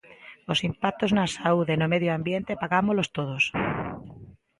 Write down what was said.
Os impactos na saúde e no medio ambiente pagámolos todos.